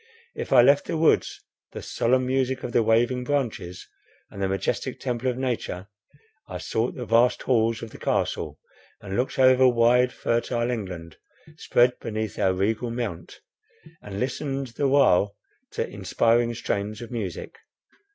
If I left the woods, the solemn music of the waving branches, and the majestic temple of nature, I sought the vast halls of the Castle, and looked over wide, fertile England, spread beneath our regal mount, and listened the while to inspiring strains of music.